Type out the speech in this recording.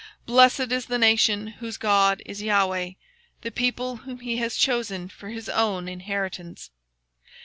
Blessed is the nation whose God is the LORD; And the people whom he hath chosen for his own inheritance.